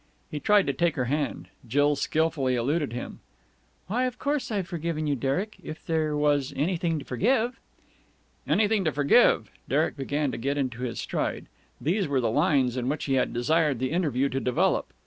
He tried to take her hand. Jill skilfully eluded him. "Why, of course I've forgiven you, Derek, if there was, anything to forgive." "Anything to forgive!" Derek began to get into his stride. These were the lines on which he had desired the interview to develop.